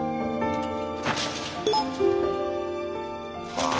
ああ。